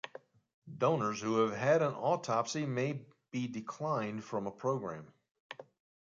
Donors who have had an autopsy may be declined from a program.